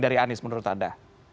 dari anies menurut anda